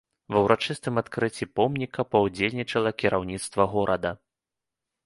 Ва ўрачыстым адкрыцці помніка паўдзельнічала кіраўніцтва горада.